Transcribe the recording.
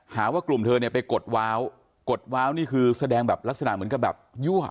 หาว่ากลุ่มเธอเนี่ยไปกดว้าวกดว้าวนี่คือแสดงแบบลักษณะเหมือนกับแบบยั่ว